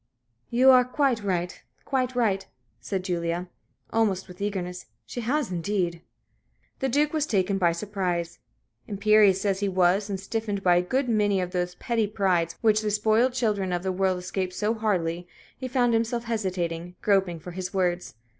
"You are quite right quite right," said Julie, almost with eagerness. "She has, indeed." The Duke was taken by surprise. Imperious as he was, and stiffened by a good many of those petty prides which the spoiled children of the world escape so hardly, he found himself hesitating groping for his words.